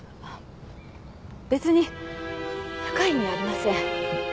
別に深い意味はありません。